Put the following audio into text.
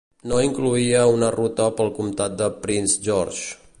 No incloïa una ruta pel comtat de Prince George.